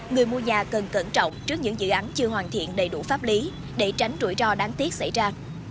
người mua nhà cần cẩn trọng trước những dự án chưa hoàn thiện đầy đủ pháp lý để tránh rủi ro đáng tiếc xảy ra